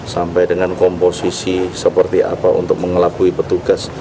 sampai dengan komposisi seperti apa untuk mengelabui petugas